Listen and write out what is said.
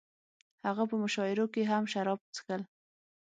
هغه په مشاعرو کې هم شراب څښل